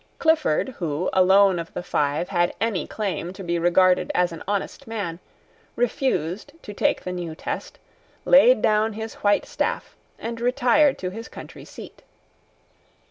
Clifford, who, alone of the five, had any claim to be regarded as an honest man, refused to take the new test, laid down his white staff, and retired to his country seat.